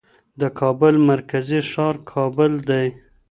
د کابل مرکزي ښار کابل دی.